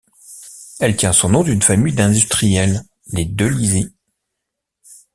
Elle tient son nom d'une famille d'industriels, les Delizy.